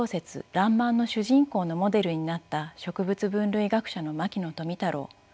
らんまん」の主人公のモデルになった植物分類学者の牧野富太郎。